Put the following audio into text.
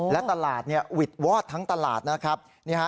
และตลาดเนี่ยหวิดวอดทั้งตลาดนะครับเนี่ยฮะ